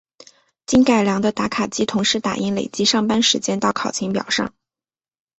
经改良的打卡机同时打印累计上班时间到考勤表上。